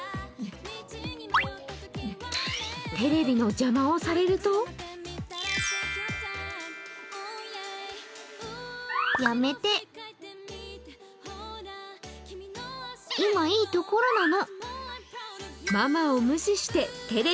テレビの邪魔をされるとやめて、今、いいところなの。